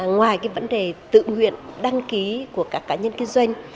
ngoài cái vấn đề tự nguyện đăng ký của các cá nhân kinh doanh